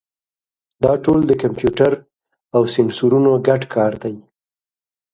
دا ټول د کمپیوټر او سینسرونو ګډ کار دی.